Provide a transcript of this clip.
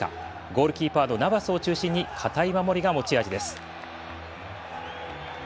ゴールキーパーのナバスを中心に堅い守りが持ち味です。